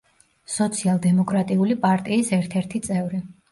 სოციალ-დემოკრატიული პარტიის ერთ-ერთი წევრი.